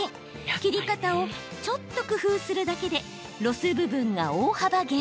切り方をちょっと工夫するだけでロス部分が大幅減。